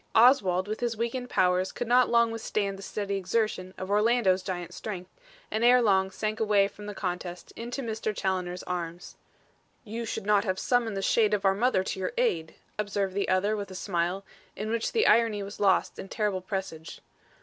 Oswald with his weakened powers could not long withstand the steady exertion of Orlando's giant strength, and ere long sank away from the contest into Mr. Challoner's arms. "You should not have summoned the shade of our mother to your aid," observed the other with a smile, in which the irony was lost in terrible presage.